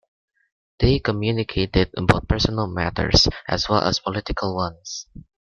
They communicated about personal matters, as well as political ones.